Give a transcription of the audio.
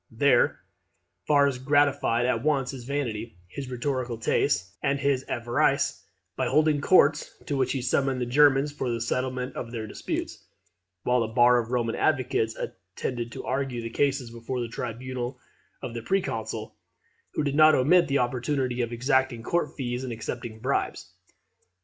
There Varus gratified at once his vanity, his rhetorical taste, and his avarice, by holding courts, to which he summoned the Germans for the settlement of all their disputes, while a bar of Roman advocates attended to argue the cases before the tribunal of the Proconsul; who did not omit the opportunity of exacting court fees and accepting bribes.